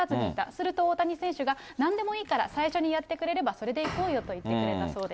すると大谷選手が、なんでもいいから最初にやってくれれば、それでいこうよと言ってくれたそうです。